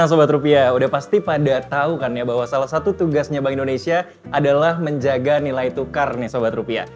sobat rupiah udah pasti pada tahu kan ya bahwa salah satu tugasnya bank indonesia adalah menjaga nilai tukar nih sobat rupiah